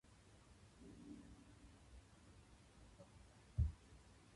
情のこまやかなこと。